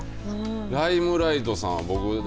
ライムライトさん